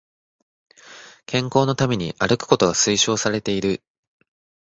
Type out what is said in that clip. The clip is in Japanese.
健康のために歩くことが推奨されている